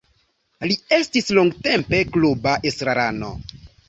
Li estis longtempe kluba estrarano.